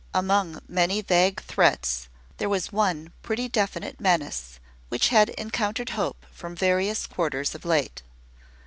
Among many vague threats, there was one pretty definite menace which had encountered Hope from various quarters of late.